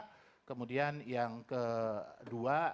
nah kemudian yang kedua